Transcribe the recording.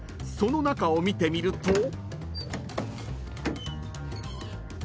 その中を見てみると］